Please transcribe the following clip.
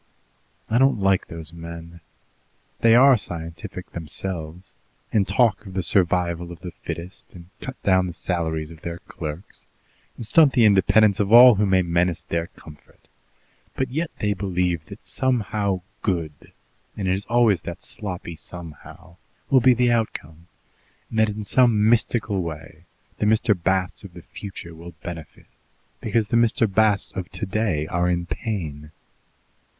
"I don't like those men. They are scientific themselves, and talk of the survival of the fittest, and cut down the salaries of their clerks, and stunt the independence of all who may menace their comfort, but yet they believe that somehow good and it is always that sloppy 'somehow' will be the outcome, and that in some mystical way the Mr. Basts of the future will benefit because the Mr. Basts of today are in pain."